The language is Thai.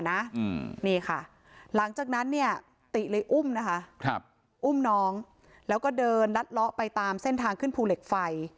นี่ค่ะหลังจากนั้นเนี่ยติเลยอุ้มนะคะอุ้มน้องแล้วก็เดินลัดเลาะไปตามเส้นทางขึ้นภูเหล็กไฟ